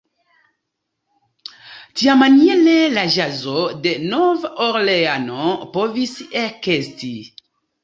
Tiamaniere la ĵazo de Nov-Orleano povis ekesti.